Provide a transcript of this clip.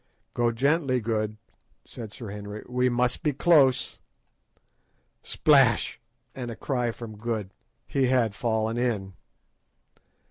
"Go gently, Good," said Sir Henry, "we must be close." Splash! and a cry from Good. He had fallen in.